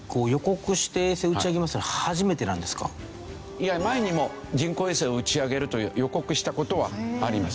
いや前にも人工衛星を打ち上げると予告した事はあります。